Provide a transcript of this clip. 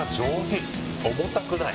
重たくない。